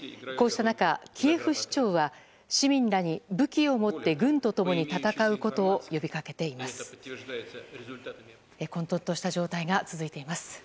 こうした中キエフ市長は、市民らに武器を持って軍と共に戦うことを呼びかけています。